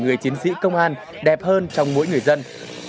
người chiến sĩ công an đẹp hơn trong mỗi người dân